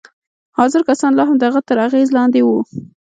حاضر کسان لا هم د هغه تر اغېز لاندې وو